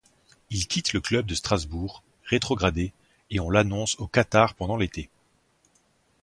Il quitte le club de Strasbourg, rétrogradé, et on l'annonce au Qatar pendant l'été.